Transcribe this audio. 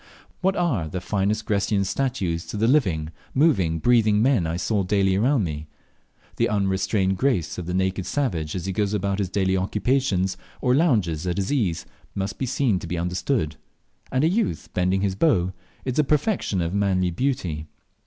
What are the finest Grecian statues to the living, moving, breathing men I saw daily around me? The unrestrained grace of the naked savage as he goes about his daily occupations, or lounges at his ease, must be seen to be understood; and a youth bending his bow is the perfection of manly beauty.